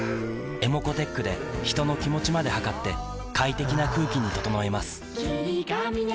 ｅｍｏｃｏーｔｅｃｈで人の気持ちまで測って快適な空気に整えます